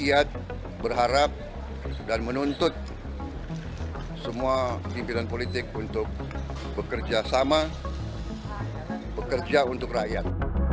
rakyat berharap dan menuntut semua pimpinan politik untuk bekerja sama bekerja untuk rakyat